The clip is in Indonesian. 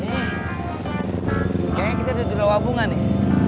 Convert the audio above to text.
nih kayaknya kita udah jual wabungan nih